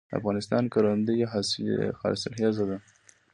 د افغانستان کروندې حاصلخیزه دي